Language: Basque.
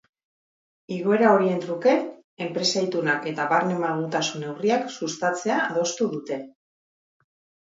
Igoera horien truke, enpresa-itunak eta barne-malgutasun neurriak sustatzea adostu dute.